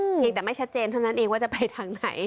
เพียงแต่ไม่ชัดเจนเท่านั้นเองว่าจะไปทางไหน